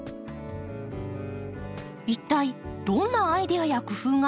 一体どんなアイデアや工夫があるのか？